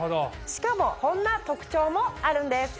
しかもこんな特徴もあるんです。